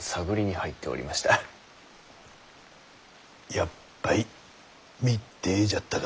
やっぱい密偵じゃったか。